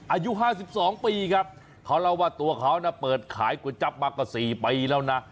อายุ๕๒ปีครับเขาเล่าว่าตัวเขานะเปิดขายก๋วยจับมากว่า๔ปีแล้วนะ